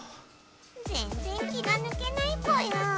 ぜんぜん気がぬけないぽよ。